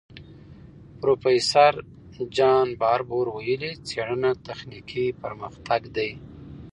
پروفیسور جان باربور ویلي، څېړنه تخنیکي پرمختګ دی.